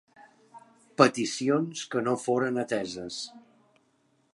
Peticions que no foren ateses.